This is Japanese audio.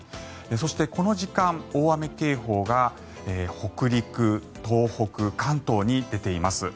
そして、この時間大雨警報が北陸、東北、関東に出ています。